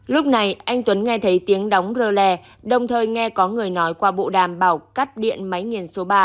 lúc này anh tuấn nghe thấy tiếng đóng rơ lè đồng thời nghe có người nói qua bộ đàm bảo cắt điện máy nghiền số ba